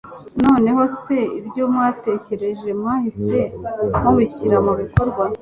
nonehose ibyo mwatekereje mwahise mubishyira mubikorwa